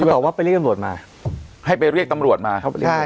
บอกว่าไปเรียกตำรวจมาให้ไปเรียกตำรวจมาเข้าไปเรียก